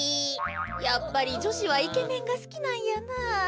やっぱりじょしはイケメンがすきなんやなあ。